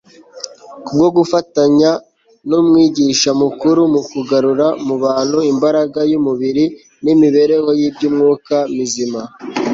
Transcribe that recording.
kubwo gufatanya n'umwigisha mukuru mu kugarura mu bantu imbaraga y'umubiri n'imibereho y'iby'umwuka mizima